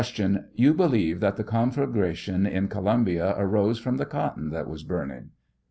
You believe that the conflagration in Columbia arose from the cotton that was burning